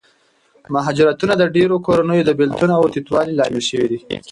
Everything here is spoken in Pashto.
مهاجرتونه د ډېرو کورنیو د بېلتون او تیتوالي لامل شوي دي.